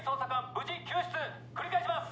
無事救出繰り返します